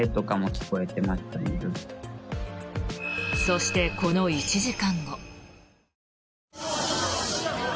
そして、この１時間後。